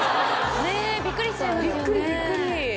ねえびっくりしちゃいますよね。